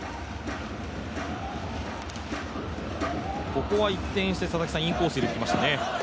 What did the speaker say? ここは一転してインコース入れてきましたね。